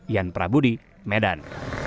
ian prabudi medan